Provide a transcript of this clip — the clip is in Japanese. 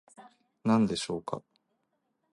何でしょうか